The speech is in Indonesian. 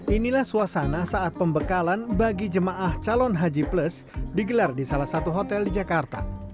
inilah suasana saat pembekalan bagi jemaah calon haji plus digelar di salah satu hotel di jakarta